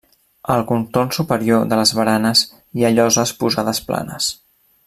Al contorn superior de les baranes hi ha lloses posades planes.